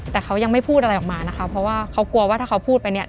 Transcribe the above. แต่เขายังไม่พูดอะไรออกมานะคะเพราะว่าเขากลัวว่าถ้าเขาพูดไปเนี่ย